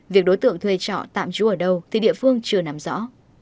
việc đối tượng thuê trọ tạm trú ở đâu thì địa phương chưa nắm rõ